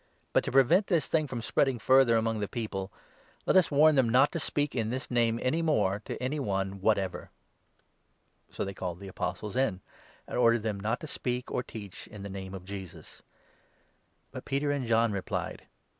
But, to prevent this thing from spreading further among 17 the people, let us warn them not to speak in this Name any more to any one whatever." So they called the Apostles in, and ordered them not to 18 speak or teach in the Name of Jesus. But Peter and John 19 replied : 11 Ps. 118. 21—22.